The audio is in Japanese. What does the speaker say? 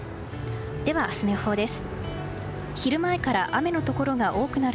では、明日の予報です。